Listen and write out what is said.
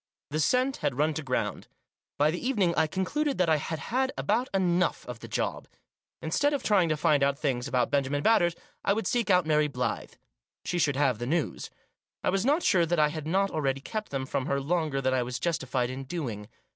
The scent had run to ground. By the evening I concluded that I had had about enough of the job. Instead of trying to find out things about Benjamin Batters, I would seek out Mary Blyth. She should have the good news. I was not sure that I had not already kept them from her longer than I was justified in doing.